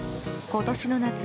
今年の夏